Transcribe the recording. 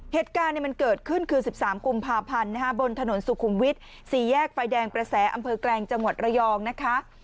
เหตุการณ์มันเกิดขึ้นคือ๑๓กุมภาพันธ์บนถนนสุขุมวิทย์๔แยกไฟแดงประแสอำเภอแกลงจังหวัดระยองนะคะ